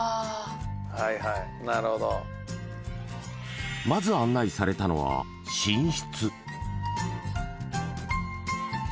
はいはいなるほどまず案内されたのは寝室